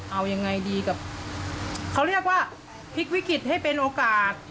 เอายังไงดีกับเขาเรียกว่าพลิกวิกฤตให้เป็นโอกาส